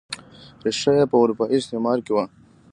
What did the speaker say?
ریښه یې په اروپايي استعمار کې وه.